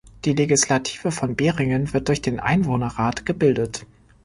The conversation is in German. Die Legislative von Beringen wird durch den "Einwohnerrat" gebildet.